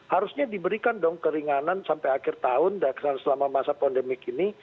harusnya diberikan dong keringanan sampai akhir tahun selama masa pandemik ini